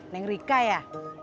neng rika ya